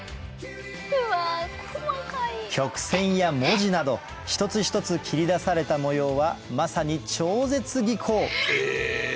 曲線や文字など一つ一つ切り出された模様はまさに超絶技巧え！